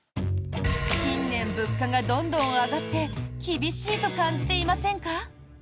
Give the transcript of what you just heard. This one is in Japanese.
近年、物価がどんどん上がって厳しいと感じていませんか？